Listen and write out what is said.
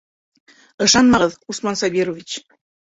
Ышанмағыҙ, Усман Сабирович!